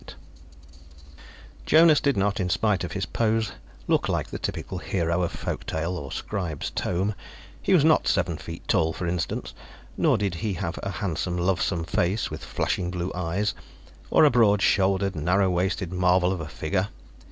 _ Illustrated by Schoenherr Jonas did not, in spite of his pose, look like the typical hero of folk tale or scribe's tome; he was not seven feet tall, for instance, nor did he have a handsome, lovesome face with flashing blue eyes, or a broad shouldered, narrow waisted marvel of a figure.